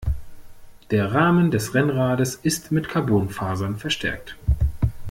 Der Rahmen des Rennrades ist mit Carbonfasern verstärkt.